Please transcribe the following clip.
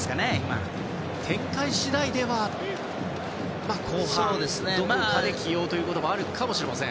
展開次第では後半どこかで起用ということもあるかもしれません。